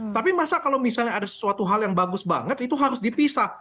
tapi masa kalau misalnya ada sesuatu hal yang bagus banget itu harus dipisah